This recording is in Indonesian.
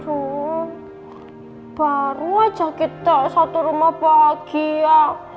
aduh baru aja kita satu rumah bahagia